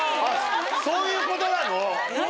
そういうことなの？